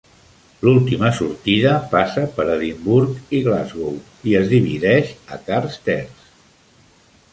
L'última sortida passa per Edimburg i Glasgow i es divideix a Carstairs.